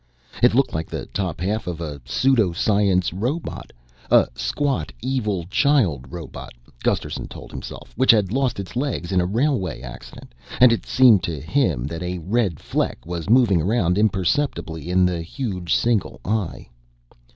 It looked like the top half of a pseudo science robot a squat evil child robot, Gusterson told himself, which had lost its legs in a railway accident and it seemed to him that a red fleck was moving around imperceptibly in the huge single eye.